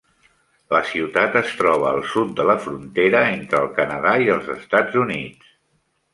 La ciutat es troba al sud de la frontera entre el Canadà i els Estats Units.